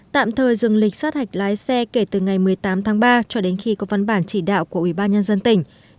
tạm thời dừng lịch sát hạch lái xe kể từ ngày một mươi tám tháng ba cho đến khi có văn bản chỉ đạo của ủy ban nhân dân tỉnh